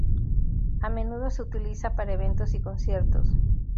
A menudo se utiliza para eventos y conciertos.